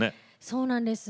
そうなんです。